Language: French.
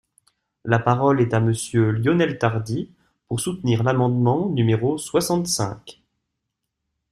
La parole est à Monsieur Lionel Tardy, pour soutenir l’amendement numéro soixante-cinq.